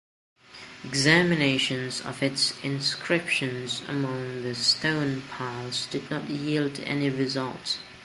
Examination of its inscription among the stone piles did not yield any results.